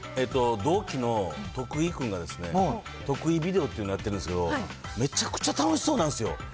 同期の徳井くんがですね、徳井ビデオというのをやってるんですけど、めちゃくちゃ楽しそうなんですよ。